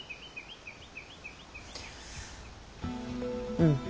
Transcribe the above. うん。